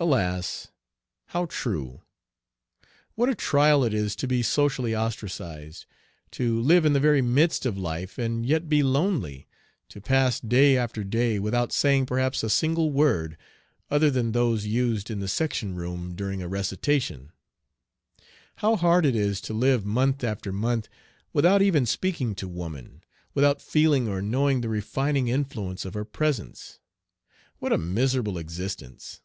Alas! how true! What a trial it is to be socially ostracized, to live in the very midst of life and yet be lonely, to pass day after day without saying perhaps a single word other than those used in the section room during a recitation. How hard it is to live month after month without even speaking to woman, without feeling or knowing the refining influence of her presence! What a miserable existence!